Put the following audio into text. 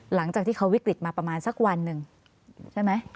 หลังจากที่เขาวิกฤตมาประมาณสักวันหนึ่งใช่ไหม